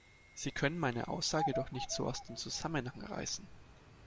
Sie können meine Aussage doch nicht so aus dem Zusammenhang reißen